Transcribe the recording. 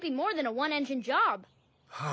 はあ。